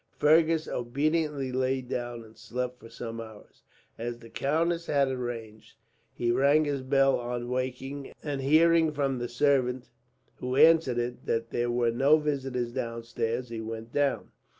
Fergus obediently lay down and slept for some hours. As the countess had arranged, he rang his bell on waking and, hearing from the servant who answered it that there were no visitors downstairs, he went down.